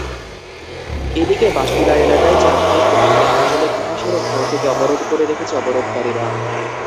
এদিকে বাকিলা এলাকায় চাঁদপুর-কুমিল্লা আঞ্চলিক মহাসড়ক ভোর থেকে অবরোধ করে রেখেছে অবরোধকারীরা।